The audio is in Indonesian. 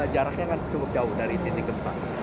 jaraknya kan cukup jauh dari titik gempa